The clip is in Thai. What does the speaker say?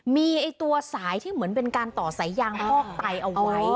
มีตัวสายที่เหมือนเป็นการต่อสายยางฟอกไตเอาไว้